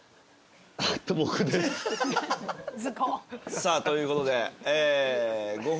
さあということで。